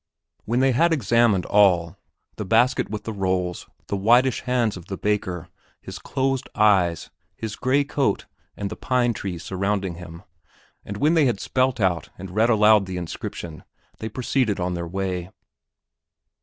When they had examined all the basket with the rolls, the whitish hands of the baker, his closed eyes, his gray coat and the pine trees surrounding him and when they had spelt out and read aloud the inscription, they proceeded on their way.